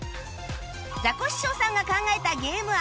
ザコシショウさんが考えたゲーム案